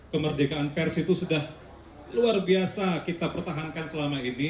kemerdekaan pers itu sudah luar biasa kita pertahankan selama ini